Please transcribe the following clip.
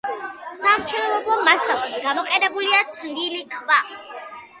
სამშენებლო მასალად გამოყენებულია თლილი ქვა.